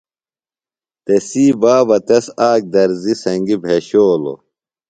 تسی بابہ تس آک درزیۡ سنگیۡ بھیۡشولوۡ۔